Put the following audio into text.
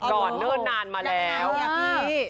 ก่อนเนิ่นนานมาแล้วอยากนานอยากนานอยากนี่